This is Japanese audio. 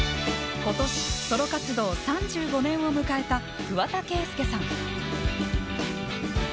今年ソロ活動３５年を迎えた桑田佳祐さん。